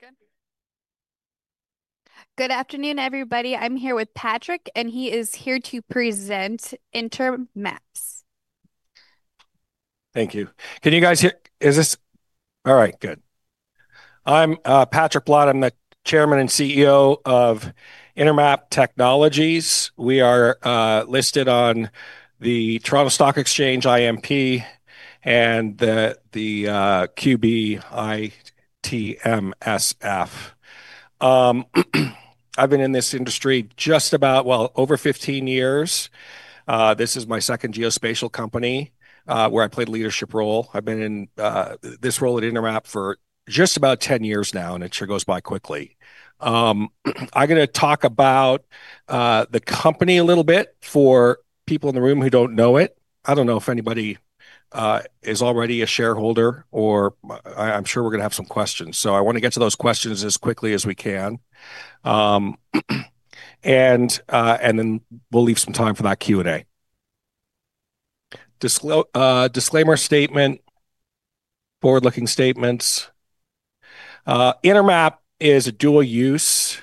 We're good? Good afternoon, everybody. I'm here with Patrick, and he is here to present Intermap Technologies. Thank you. Can you guys hear? All right, good. I'm Patrick Blott. I'm the chairman and CEO of Intermap Technologies. We are listed on the Toronto Stock Exchange, IMP, and the QBITMSF. I've been in this industry just about, well, over 15 years. This is my second geospatial company, where I play the leadership role. I've been in this role at Intermap for just about 10 years now, and it sure goes by quickly. I'm going to talk about the company a little bit for people in the room who don't know it. I don't know if anybody is already a shareholder or I'm sure we're going to have some questions, so I want to get to those questions as quickly as we can. Then we'll leave some time for that Q&A. Disclaimer statement. Forward-looking statements. Intermap is a dual-use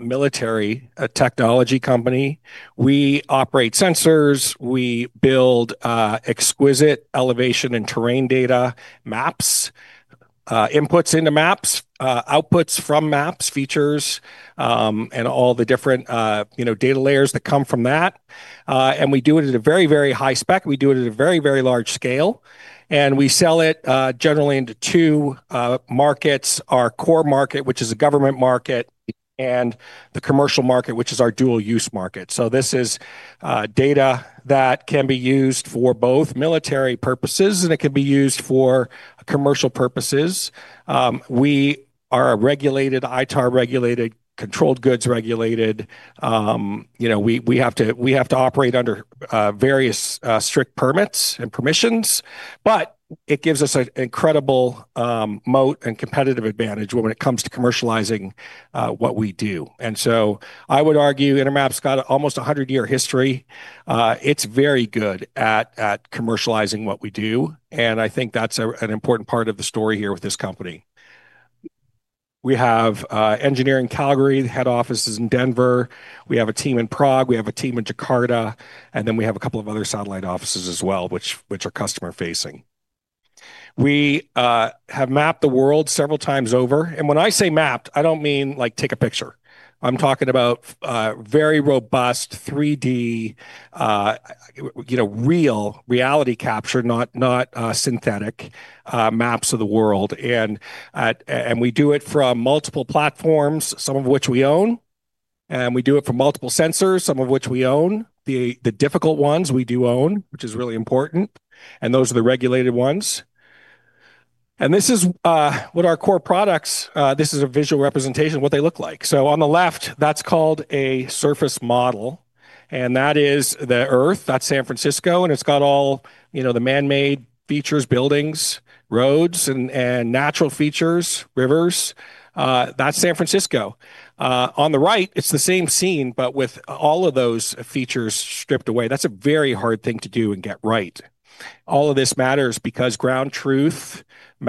military technology company. We operate sensors, we build exquisite elevation and terrain data maps, inputs into maps, outputs from maps, features, and all the different data layers that come from that. We do it at a very, very high spec. We do it at a very, very large scale. We sell it generally into two markets, our core market, which is the government market, and the commercial market, which is our dual-use market. This is data that can be used for both military purposes, and it can be used for commercial purposes. We are ITAR regulated, controlled goods regulated. We have to operate under various strict permits and permissions. It gives us an incredible moat and competitive advantage when it comes to commercializing what we do. I would argue Intermap's got almost a 100-year history. It's very good at commercializing what we do, and I think that's an important part of the story here with this company. We have engineering in Calgary, the head office is in Denver. We have a team in Prague, we have a team in Jakarta, and then we have a couple of other satellite offices as well, which are customer-facing. We have mapped the world several times over. When I say mapped, I don't mean take a picture. I'm talking about very robust 3D, real reality capture, not synthetic maps of the world. We do it from multiple platforms, some of which we own. We do it from multiple sensors, some of which we own. The difficult ones we do own, which is really important, and those are the regulated ones. This is what our core products, this is a visual representation of what they look like. On the left, that's called a surface model, and that is the Earth. That's San Francisco, and it's got all the man-made features, buildings, roads, and natural features, rivers. That's San Francisco. On the right, it's the same scene, but with all of those features stripped away. That's a very hard thing to do and get right. All of this matters because ground truth matters. In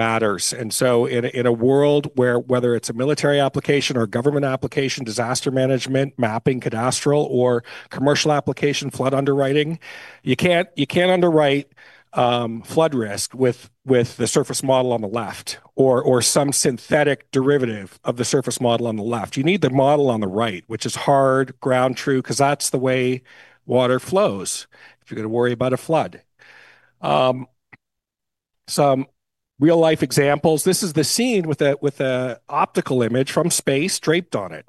a world where whether it's a military application or government application, disaster management, mapping, cadastral, or commercial application flood underwriting, you can't underwrite flood risk with the surface model on the left or some synthetic derivative of the surface model on the left. You need the model on the right, which is hard, ground true, because that's the way water flows if you're going to worry about a flood. Some real-life examples. This is the scene with an optical image from space draped on it.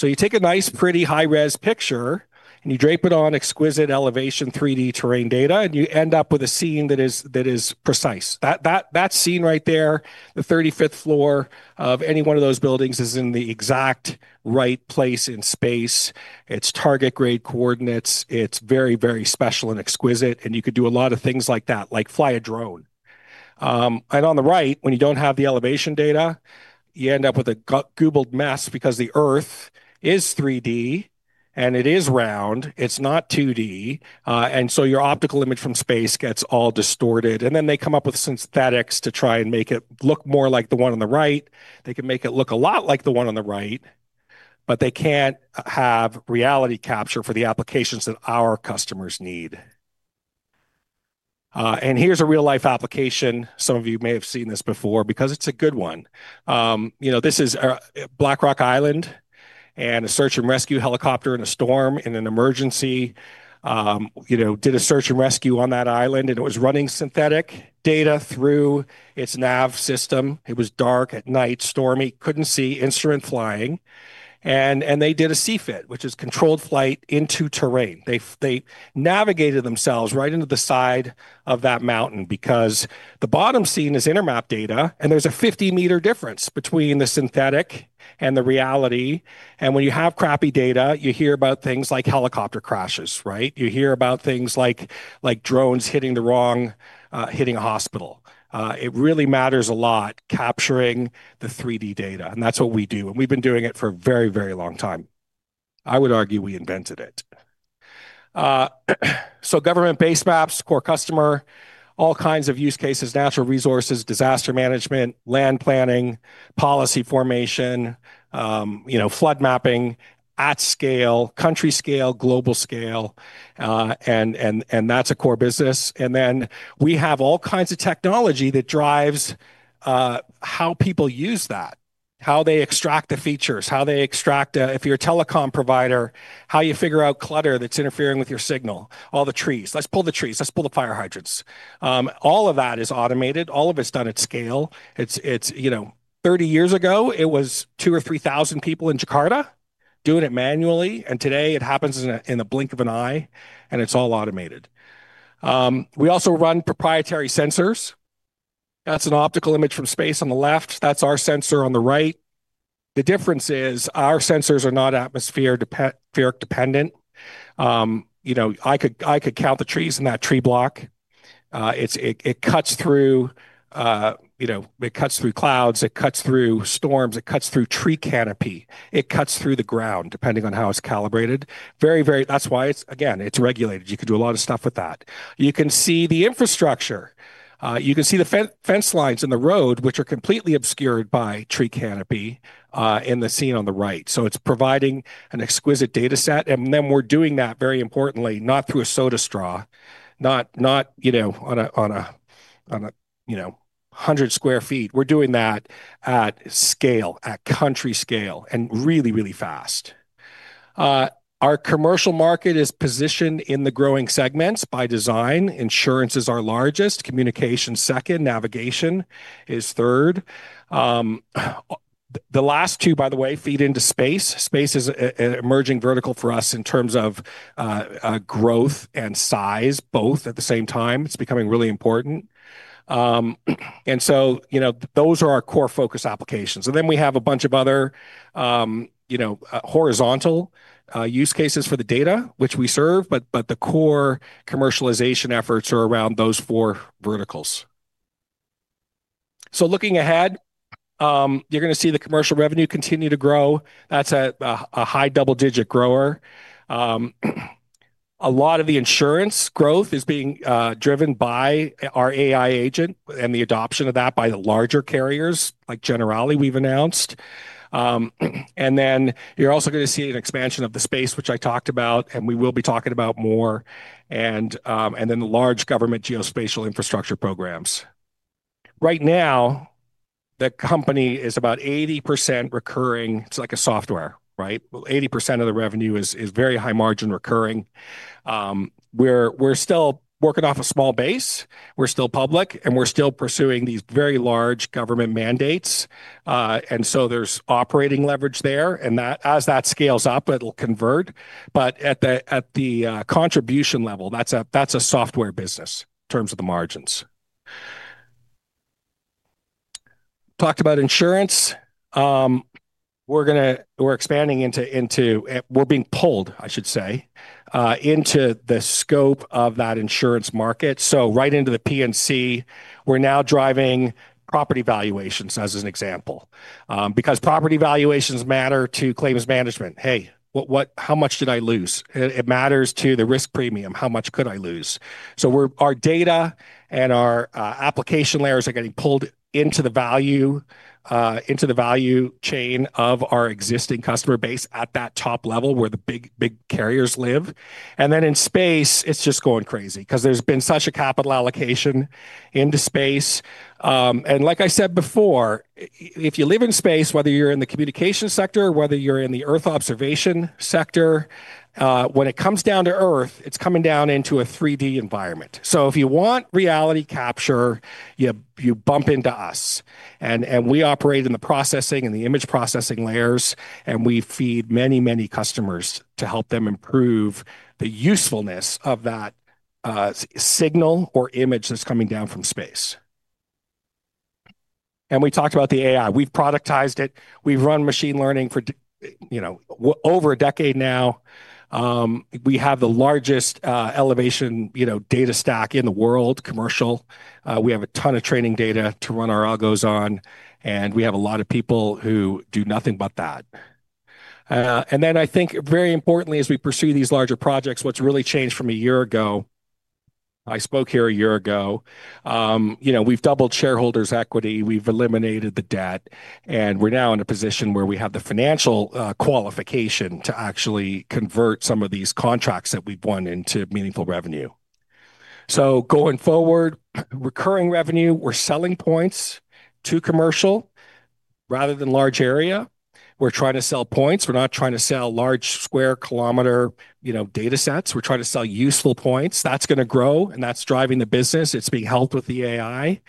You take a nice pretty high-res picture, and you drape it on exquisite elevation 3D terrain data, and you end up with a scene that is precise. That scene right there, the 35th floor of any one of those buildings is in the exact right place in space. It's target grade coordinates. It's very, very special and exquisite, and you could do a lot of things like that, like fly a drone. On the right, when you don't have the elevation data, you end up with a garbled mess because the Earth is 3D and it is round. It's not 2D. Your optical image from space gets all distorted. They come up with synthetics to try and make it look more like the one on the right. They can make it look a lot like the one on the right, but they can't have reality capture for the applications that our customers need. Here's a real-life application. Some of you may have seen this before because it's a good one. This is Blackrock Island and a search and rescue helicopter in a storm in an emergency. Did a search and rescue on that island, and it was running synthetic data through its nav system. It was dark at night, stormy, couldn't see, instrument flying. They did a CFIT, which is Controlled Flight Into Terrain. They navigated themselves right into the side of that mountain because the bottom scene is Intermap data, and there's a 50-meter difference between the synthetic and the reality. When you have crappy data, you hear about things like helicopter crashes, right? You hear about things like drones hitting a hospital. It really matters a lot capturing the 3D data, and that's what we do, and we've been doing it for a very, very long time I would argue we invented it. Government base maps, core customer, all kinds of use cases, natural resources, disaster management, land planning, policy formation, flood mapping at scale, country scale, global scale, and that's a core business. We have all kinds of technology that drives how people use that, how they extract the features, how they extract If you're a telecom provider, how you figure out clutter that's interfering with your signal. All the trees. Let's pull the trees, let's pull the fire hydrants. All of that is automated. All of it's done at scale. 30 years ago, it was 2,000 or 3,000 people in Jakarta doing it manually, today it happens in the blink of an eye, and it's all automated. We also run proprietary sensors. That's an optical image from space on the left. That's our sensor on the right. The difference is our sensors are not atmospheric dependent. I could count the trees in that tree block. It cuts through clouds, it cuts through storms, it cuts through tree canopy. It cuts through the ground, depending on how it's calibrated. That's why, again, it's regulated. You could do a lot of stuff with that. You can see the infrastructure. You can see the fence lines in the road, which are completely obscured by tree canopy in the scene on the right. It's providing an exquisite data set. We're doing that, very importantly, not through a soda straw, not on a 100 sq ft. We're doing that at scale, at country scale, and really, really fast. Our commercial market is positioned in the growing segments by design. Insurance is our largest, communication second, navigation is third. The last two, by the way, feed into space. Space is an emerging vertical for us in terms of growth and size, both at the same time. It's becoming really important. Those are our core focus applications. We have a bunch of other horizontal use cases for the data which we serve, but the core commercialization efforts are around those four verticals. Looking ahead, you're going to see the commercial revenue continue to grow. That's a high double-digit grower. A lot of the insurance growth is being driven by our AI agent and the adoption of that by the larger carriers, like Generali, we've announced. You're also going to see an expansion of the space, which I talked about, and we will be talking about more, and then the large government geospatial infrastructure programs. Right now, the company is about 80% recurring. It's like a software, right? 80% of the revenue is very high margin recurring. We're still working off a small base. We're still public, and we're still pursuing these very large government mandates. There's operating leverage there. As that scales up, it'll convert. At the contribution level, that's a software business in terms of the margins. Talked about insurance. We're being pulled, I should say, into the scope of that insurance market. Right into the P&C, we're now driving property valuations as an example. Property valuations matter to claims management. "Hey, how much did I lose?" It matters to the risk premium. "How much could I lose?" Our data and our application layers are getting pulled into the value chain of our existing customer base at that top level, where the big carriers live. In space, it's just going crazy because there's been such a capital allocation into space. Like I said before, if you live in space, whether you're in the communication sector, whether you're in the Earth observation sector, when it comes down to Earth, it's coming down into a 3D environment. If you want reality capture, you bump into us. We operate in the processing and the image processing layers, and we feed many customers to help them improve the usefulness of that signal or image that's coming down from space. We talked about the AI. We've productized it. We've run machine learning for over a decade now. We have the largest elevation data stack in the world, commercial. We have a ton of training data to run our algos on, and we have a lot of people who do nothing but that. I think very importantly, as we pursue these larger projects, what's really changed from a year ago, I spoke here a year ago. We've doubled shareholders' equity. We've eliminated the debt, and we're now in a position where we have the financial qualification to actually convert some of these contracts that we've won into meaningful revenue. Going forward, recurring revenue, we're selling points to commercial rather than large area. We're trying to sell points. We're not trying to sell large square kilometer data sets. We're trying to sell useful points. That's going to grow, and that's driving the business. It's being helped with the AI.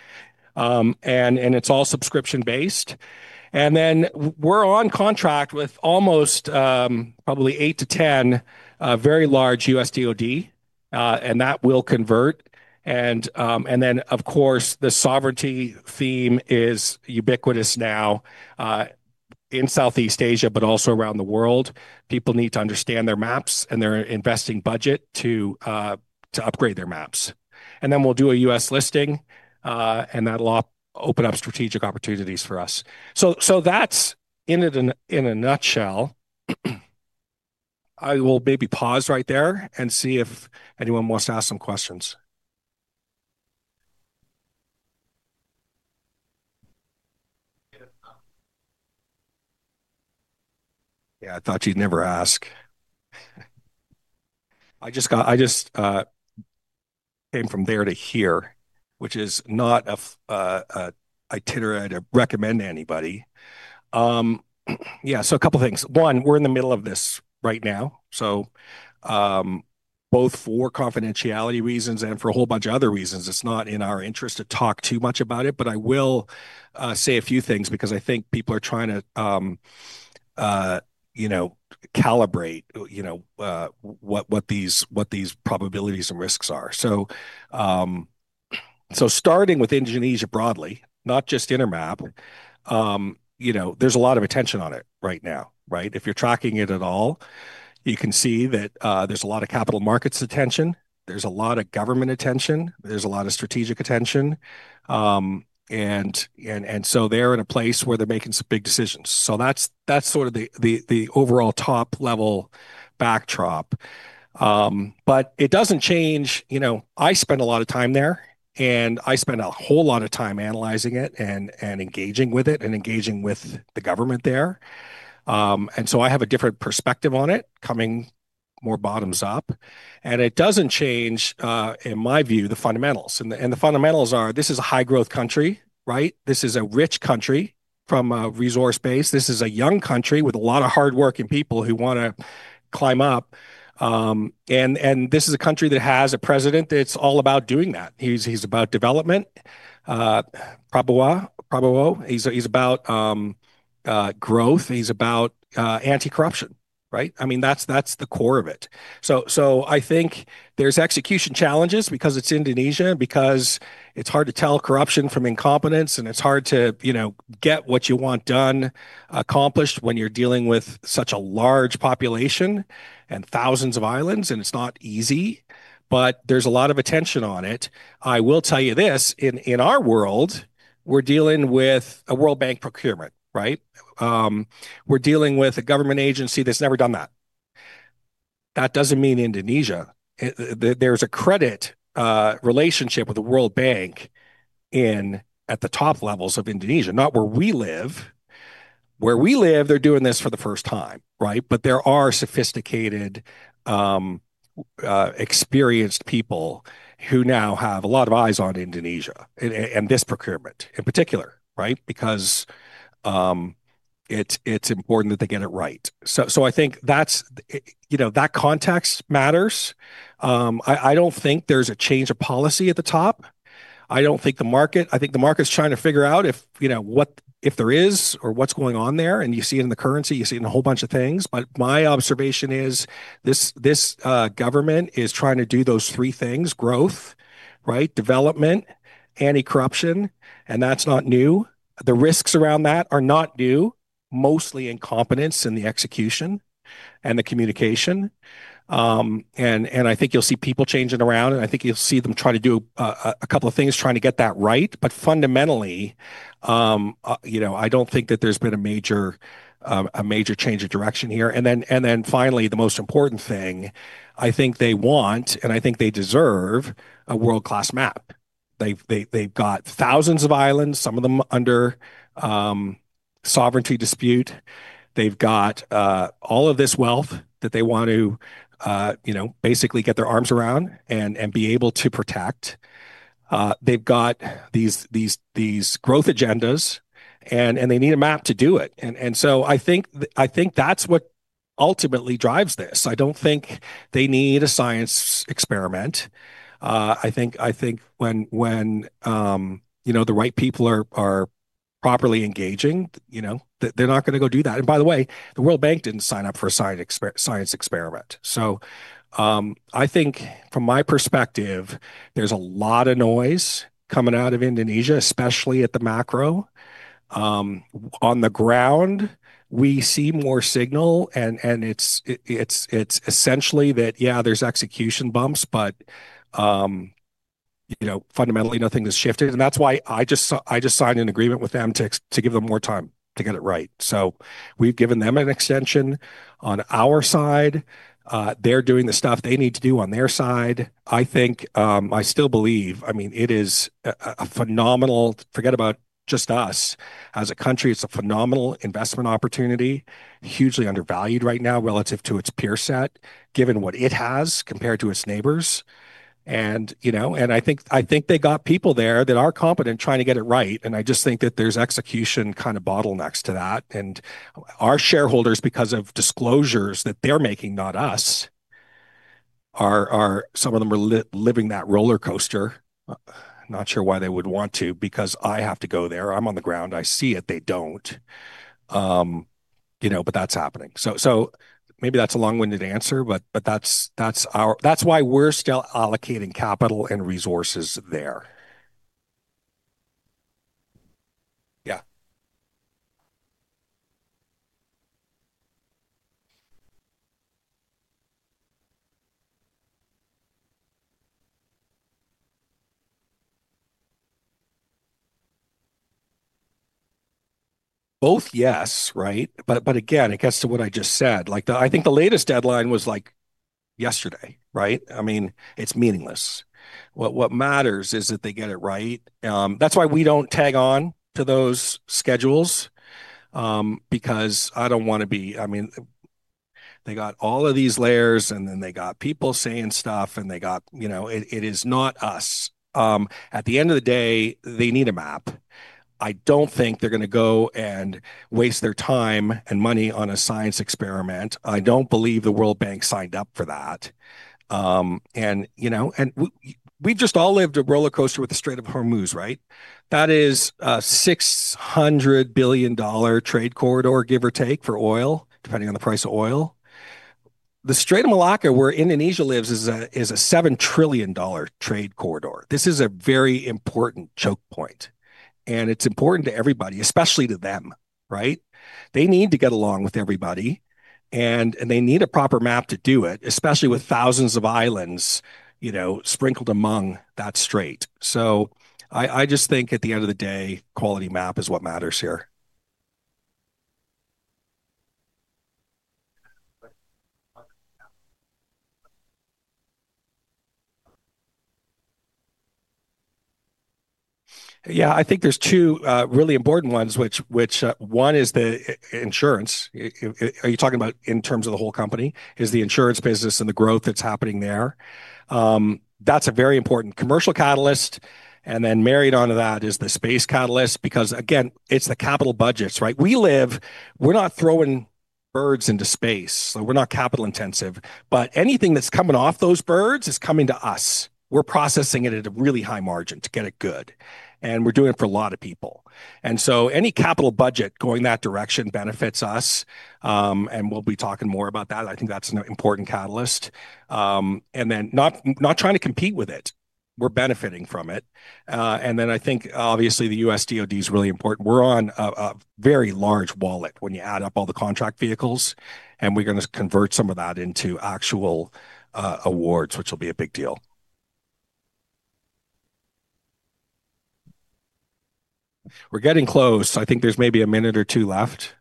It's all subscription-based. We're on contract with almost probably 8 to 10 very large US DOD, and that will convert. Of course, the sovereignty theme is ubiquitous now in Southeast Asia, but also around the world. People need to understand their maps, and they're investing budget to upgrade their maps. We'll do a U.S. listing, and that'll open up strategic opportunities for us. That's in a nutshell. I will maybe pause right there and see if anyone wants to ask some questions. I thought you'd never ask. I just came from there to here, which is not an itinerary I'd recommend to anybody. A couple of things. One, we're in the middle of this right now. Both for confidentiality reasons and for a whole bunch of other reasons, it's not in our interest to talk too much about it. I will say a few things because I think people are trying to calibrate what these probabilities and risks are. Starting with Indonesia broadly, not just Intermap, there's a lot of attention on it right now, right? If you're tracking it at all, you can see that there's a lot of capital markets attention, there's a lot of government attention, there's a lot of strategic attention. They're in a place where they're making some big decisions. That's the overall top-level backdrop. It doesn't change. I spend a lot of time there, and I spend a whole lot of time analyzing it and engaging with it and engaging with the government there. I have a different perspective on it coming more bottoms up. It doesn't change, in my view, the fundamentals. The fundamentals are this is a high-growth country, right? This is a rich country from a resource base. This is a young country with a lot of hardworking people who want to climb up. This is a country that has a president that's all about doing that. He's about development. Prabowo, he's about growth, he's about anti-corruption, right? I mean, that's the core of it. I think there's execution challenges because it's Indonesia, because it's hard to tell corruption from incompetence, and it's hard to get what you want done, accomplished when you're dealing with such a large population and thousands of islands, and it's not easy, but there's a lot of attention on it. I will tell you this. In our world, we're dealing with a World Bank procurement, right? We're dealing with a government agency that's never done that. That doesn't mean Indonesia. There's a credit relationship with the World Bank at the top levels of Indonesia, not where we live. Where we live, they're doing this for the first time, right? But there are sophisticated, experienced people who now have a lot of eyes on Indonesia and this procurement in particular, right? Because it's important that they get it right. I think that context matters. I don't think there's a change of policy at the top. I think the market's trying to figure out if there is or what's going on there, and you see it in the currency, you see it in a whole bunch of things. My observation is this government is trying to do those three things, growth, right? Development, anti-corruption, and that's not new. The risks around that are not new. Mostly incompetence in the execution and the communication. I think you'll see people changing around, and I think you'll see them try to do a couple of things, trying to get that right. Fundamentally, I don't think that there's been a major change of direction here. Finally, the most important thing, I think they want, and I think they deserve a world-class map. They've got thousands of islands, some of them under sovereignty dispute. They've got all of this wealth that they want to basically get their arms around and be able to protect. They've got these growth agendas, and they need a map to do it. I think that's what ultimately drives this. I don't think they need a science experiment. I think when the right people are properly engaging, they're not going to go do that. By the way, the World Bank didn't sign up for a science experiment. I think from my perspective, there's a lot of noise coming out of Indonesia, especially at the macro. On the ground, we see more signal, and it's essentially that, yeah, there's execution bumps, but fundamentally nothing has shifted, and that's why I just signed an agreement with them to give them more time to get it right. We've given them an extension on our side. They're doing the stuff they need to do on their side. I still believe, it is a phenomenal Forget about just us. As a country, it's a phenomenal investment opportunity. Hugely undervalued right now relative to its peer set, given what it has compared to its neighbors. I think they got people there that are competent, trying to get it right, and I just think that there's execution bottlenecks to that. Our shareholders, because of disclosures that they're making, not us, some of them are living that roller coaster. Not sure why they would want to because I have to go there. I'm on the ground. I see it. They don't. That's happening. Maybe that's a long-winded answer, but that's why we're still allocating capital and resources there. Both yes, right? Again, it gets to what I just said. I think the latest deadline was yesterday, right? It's meaningless. What matters is that they get it right. That's why we don't tag on to those schedules, because I don't want to be They got all of these layers, and then they got people saying stuff, and they got It is not us. At the end of the day, they need a map. I don't think they're going to go and waste their time and money on a science experiment. I don't believe the World Bank signed up for that. We've just all lived a rollercoaster with the Strait of Hormuz, right? That is a $600 billion trade corridor, give or take, for oil, depending on the price of oil. The Strait of Malacca, where Indonesia lives, is a $7 trillion trade corridor. This is a very important choke point, and it's important to everybody, especially to them, right? They need to get along with everybody, and they need a proper map to do it, especially with thousands of islands sprinkled among that strait. I just think at the end of the day, quality map is what matters here. I think there's two really important ones, which one is the insurance. Are you talking about in terms of the whole company? Is the insurance business and the growth that's happening there. That's a very important commercial catalyst. Married onto that is the space catalyst because, again, it's the capital budgets, right? We live, we're not throwing birds into space, so we're not capital intensive. Anything that's coming off those birds is coming to us. We're processing it at a really high margin to get it good, and we're doing it for a lot of people. Any capital budget going that direction benefits us. We'll be talking more about that. I think that's an important catalyst. Not trying to compete with it. We're benefiting from it. I think obviously the US DOD is really important. We're on a very large wallet when you add up all the contract vehicles, and we're going to convert some of that into actual awards, which will be a big deal. We're getting close. I think there's maybe a minute or two left.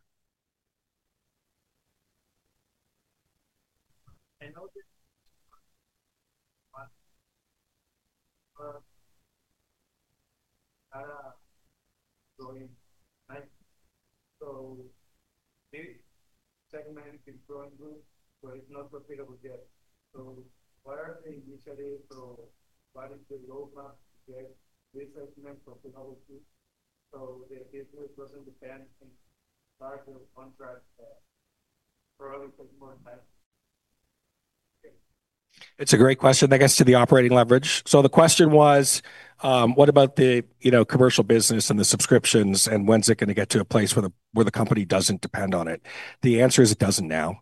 It's a great question. That gets to the operating leverage. The question was, what about the commercial business and the subscriptions, and when's it going to get to a place where the company doesn't depend on it? The answer is it doesn't now.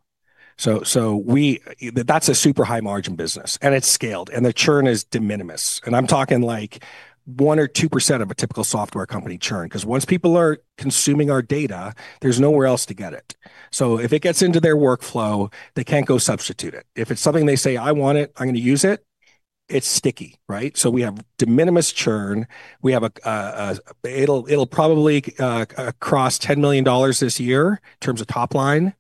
That's a super high margin business, and it's scaled, and the churn is de minimis. I'm talking like 1% or 2% of a typical software company churn, because once people are consuming our data, there's nowhere else to get it. If it gets into their workflow, they can't go substitute it. If it's something they say, "I want it, I'm going to use it," it's sticky, right? We have de minimis churn. It'll probably cross 10 million dollars this year in terms of top line.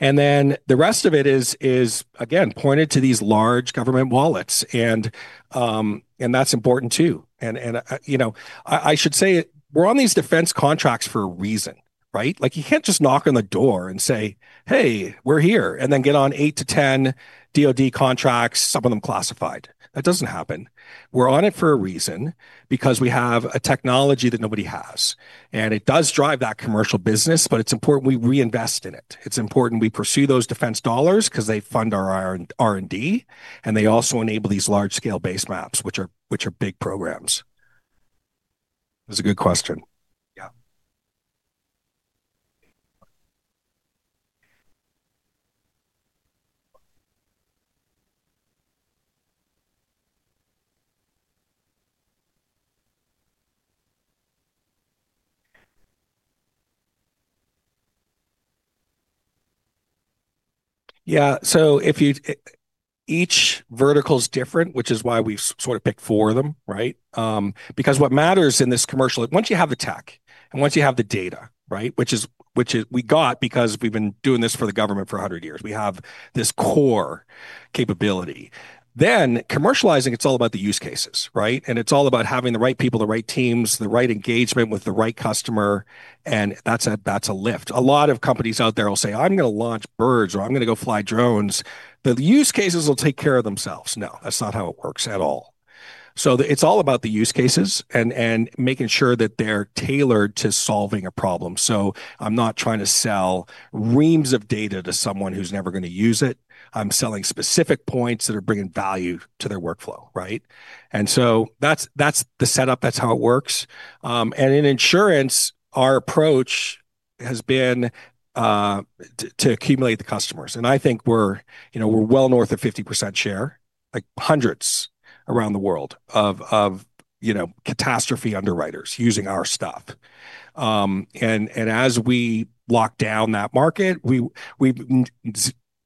The rest of it is, again, pointed to these large government wallets, and that's important too. I should say, we're on these defense contracts for a reason, right? You can't just knock on the door and say, "Hey, we're here," and then get on eight to 10 DOD contracts, some of them classified. That doesn't happen. We're on it for a reason, because we have a technology that nobody has. It does drive that commercial business, but it's important we reinvest in it. It's important we pursue those defense dollars because they fund our R&D, and they also enable these large-scale base maps, which are big programs. That's a good question. Yeah. Yeah. Each vertical's different, which is why we've sort of picked four of them, right? Because what matters in this commercial, once you have the tech and once you have the data, right, which we got because we've been doing this for the government for 100 years. We have this core capability. Commercializing, it's all about the use cases, right? It's all about having the right people, the right teams, the right engagement with the right customer, and that's a lift. A lot of companies out there will say, "I'm going to launch birds," or, "I'm going to go fly drones. The use cases will take care of themselves." No, that's not how it works at all. It's all about the use cases and making sure that they're tailored to solving a problem. I'm not trying to sell reams of data to someone who's never going to use it. I'm selling specific points that are bringing value to their workflow, right? That's the setup. That's how it works. In insurance, our approach has been to accumulate the customers, and I think we're well north of 50% share, like hundreds around the world of catastrophe underwriters using our stuff. As we lock down that market,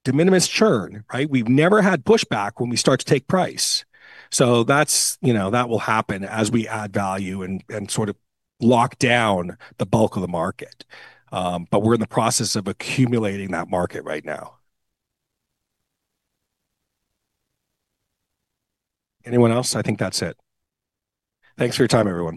de minimis churn, right? We've never had pushback when we start to take price. That will happen as we add value and sort of lock down the bulk of the market. We're in the process of accumulating that market right now. Anyone else? I think that's it. Thanks for your time, everyone.